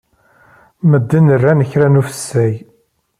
Medden ran kra n ufessay.